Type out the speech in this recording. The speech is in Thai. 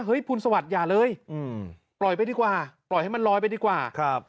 ภูลสวัสดิอย่าเลยปล่อยไปดีกว่าปล่อยให้มันลอยไปดีกว่าครับ